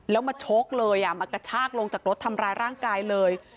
แล้วมาชกเลยมากระชากลงจากรถทำร้ายร่างกายเลย